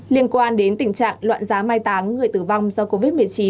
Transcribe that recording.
liên quan đến tình trạng loạn giá mai táng người tử vong do covid một mươi chín